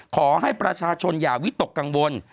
ขอให้ประชาชนอย่าวิตกกังวล